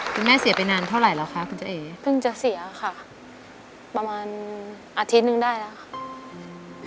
แม่เสียไปนานเท่าไหร่แล้วคะคุณเจ๊เอเพิ่งจะเสียค่ะประมาณอาทิตย์หนึ่งได้แล้วค่ะอืม